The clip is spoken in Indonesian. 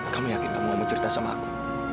kamu yakin kamu mau cerita sama aku